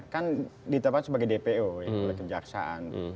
kan ditempat sebagai dpo oleh kejaksaan